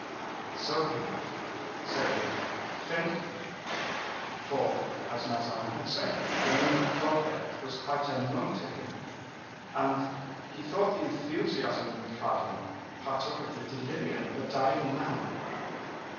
"So be it," said Louis, faintly, for, as Mazarin had said, the name of Colbert was quite unknown to him, and he thought the enthusiasm of the cardinal partook of the delirium of a dying man.